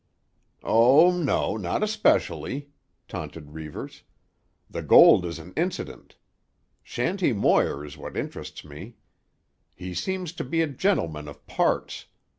"Oh, no; not especially," taunted Reivers. "The gold is an incident. Shanty Moir is what interests me. He seems to be a gentleman of parts.